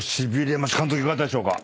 監督いかがだったでしょうか？